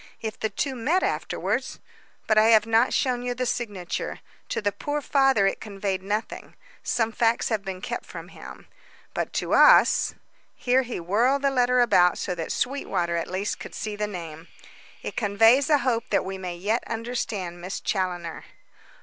If the two met afterwards But I have not shown you the signature. To the poor father it conveyed nothing some facts have been kept from him but to us " here he whirled the letter about so that Sweetwater, at least, could see the name, "it conveys a hope that we may yet understand Miss Challoner."